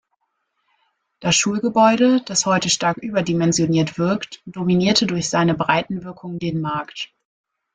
Das Schulgebäude, das heute stark überdimensioniert wirkt, dominiert durch seine Breitenwirkung den Markt.